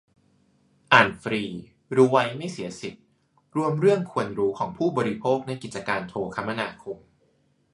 อ่านฟรี รู้ไว้ไม่เสียสิทธิ รวมเรื่องควรรู้ของผู้บริโภคในกิจการโทรคมนาคม